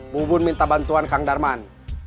bu bun minta bantuan kang darman